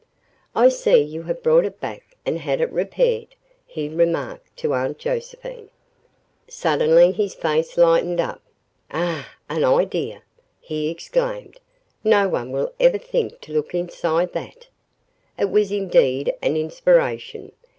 "I see you have brought it back and had it repaired," he remarked to Aunt Josephine. Suddenly his face lighted up. "Ah an idea!" he exclaimed. "No one will ever think to look INSIDE that." It was indeed an inspiration.